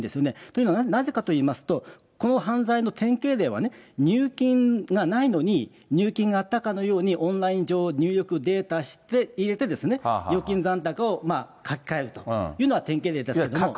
というのは、なぜかと言いますと、この犯罪の典型例はね、入金がないのに入金があったかのように、オンライン上、入力データ入れて、預金残高を書き換えるというのが典型例ですけど。